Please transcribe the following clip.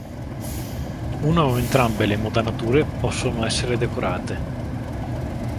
Una o entrambe le modanature possono essere decorate.